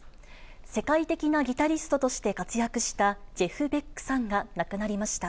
世界的なギタリストとして活躍したジェフ・ベックさんが、亡くなりました。